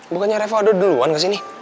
bukannya reva udah duluan kesini